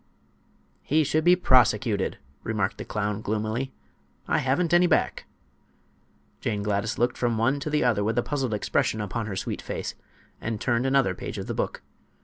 "He should be prosecuted," remarked the clown, gloomily. "I haven't any back." Jane Gladys looked from one to the other with a puzzled expression upon her sweet face, and turned another page of the book.